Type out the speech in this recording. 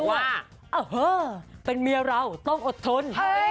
ว่าเออเป็นเมียเราต้องอดทน